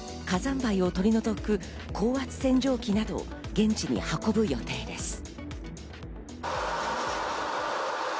火山灰を取り除く高圧洗浄機などを現地に運ぶ予定です。